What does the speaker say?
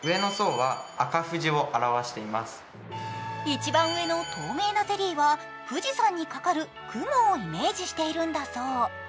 一番上の透明なゼリーは富士山にかかる雲をイメージしているんだそう。